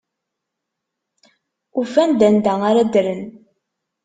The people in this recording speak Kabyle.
Ufan-d anda ara ddren.